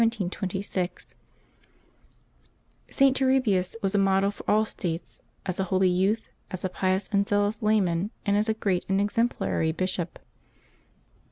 LIVES OF THE SAINTS 397 Saint Turribius was a model for all states — as a holy youth, as a pious and zealous layman, as a great and ex emplary bishop.